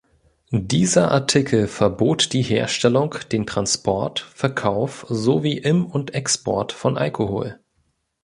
Dieser Artikel verbot die Herstellung, den Transport, Verkauf sowie Im- und Export von Alkohol.